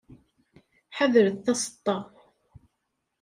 Ḥadret taseṭṭa.